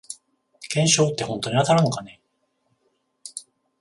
懸賞ってほんとに当たるのかね